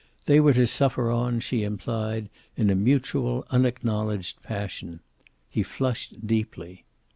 They were to suffer on, she implied, in a mutual, unacknowledged passion. He flushed deeply.